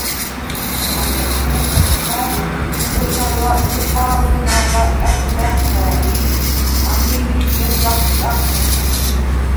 ამეჩუ̄ნ ესნა̈რ ხოშა ლა̈კუ̂ჰა̄ლუ̂ნა ლაკა̈დ ბა̈ჩ ა̈რი ი ამი̄ ლიკედ ლახკაფუ̂ნეხ.